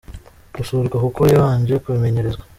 gusurwa kuko yabanje kubimenyerezwa.